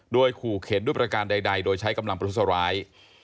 โดยขู่เข็นด้วยประการใดโดยใช้กำลังประทุษร้าย